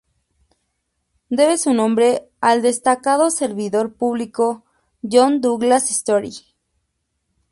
Debe su nombre al destacado servidor público John Douglas Story.